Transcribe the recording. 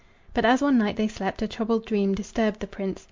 But as one night they slept, a troubled dream Disturbed the prince.